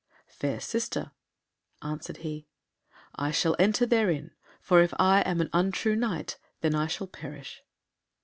"Fair sister," answered he, "I shall enter therein, for if I am an untrue Knight then shall I perish."